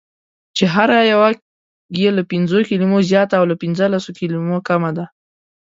چې هره یوه یې له پنځو کلمو زیاته او له پنځلسو کلمو کمه ده: